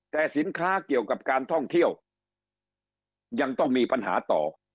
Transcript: แต่สินค้าเกี่ยวกับการท่องเที่ยวยังต้องมีปัญหาต่อ